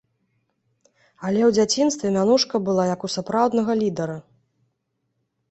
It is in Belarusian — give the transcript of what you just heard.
Але і ў дзяцінстве мянушка была, як у сапраўднага лідара.